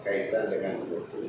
kaitan dengan ugp